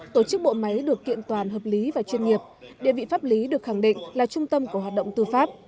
tổ chức bộ máy được kiện toàn hợp lý và chuyên nghiệp địa vị pháp lý được khẳng định là trung tâm của hoạt động tư pháp